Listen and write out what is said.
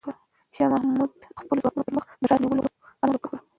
شاه محمود د خپلو ځواکونو پر مخ د ښار د نیولو امر وکړ.